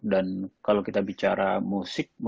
dan kalau kita bicara musik musiknya juga terpengaruh